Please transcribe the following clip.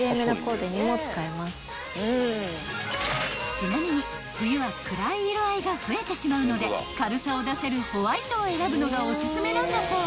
［ちなみに冬は暗い色合いが増えてしまうので軽さを出せるホワイトを選ぶのがおすすめなんだそう］